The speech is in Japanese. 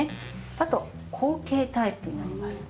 あと後傾タイプもあります。